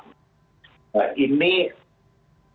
ini karanya adalah